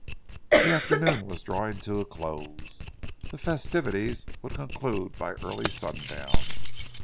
The afternoon was drawing to a close. The festivities would conclude by early sundown.